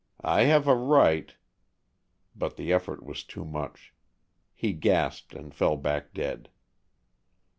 I have a right " But the effort was too much. He gasped and fell back dead.